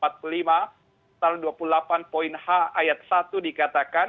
pasal dua puluh delapan poin h ayat satu dikatakan